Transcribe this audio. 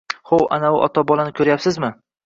Hov, anavi ota-bolani koʻryapsizmi?